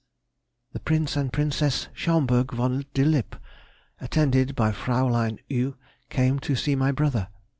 _—The Prince and Princess Schaumburg von der Lippe, attended by Fraulein U., came to see my brother.